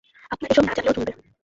আপনার এসব না জানলেও চলবে।